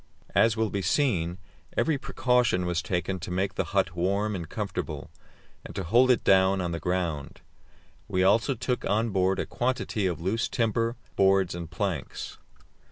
As will be seen, every precaution was taken to make the hut warm and comfortable, and to hold it down on the ground. We also took on board a quantity of loose timber, boards and planks.